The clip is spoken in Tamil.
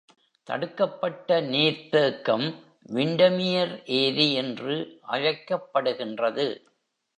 தடுக்கப்பட்ட நீர்த்தேக்கம், விண்டமியர் ஏரி என்று அழைக்கப்படுகின்றது.